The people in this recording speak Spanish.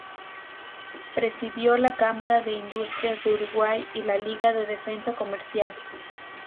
Presidió la Cámara de Industrias del Uruguay y la Liga de Defensa Comercial.